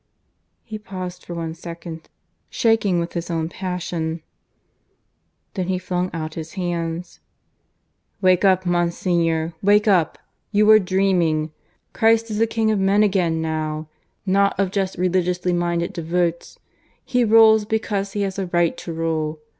He paused for one second, shaking with his own passion. Then he flung out his hands. "Wake up, Monsignor! Wake up! You are dreaming. Christ is the King of men again, now not of just religiously minded devots. He rules, because He has a right to rule.